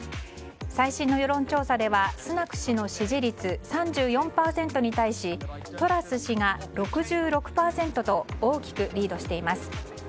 最新の世論調査ではスナク氏の支持率３４％に対しトラス氏が６６％と大きくリードしています。